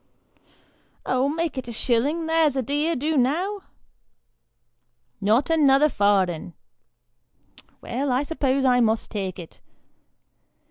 " Oh, make it a shillin' ; there's a dear do now ?"" Not another farden." " Well, I suppose I must take it."